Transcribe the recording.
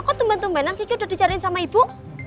kok teman temanan kiki udah dicariin sama ibu